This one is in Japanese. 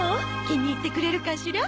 気に入ってくれるかしら？